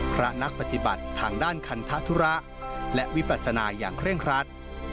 นักปฏิบัติทางด้านคันธุระและวิปัสนาอย่างเคร่งครัด